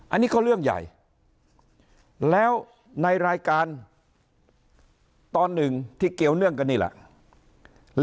อันนี้ก็เรื่องใหญ่แล้วในรายการตอนหนึ่งที่เกี่ยวเนื่องกันนี่แหละ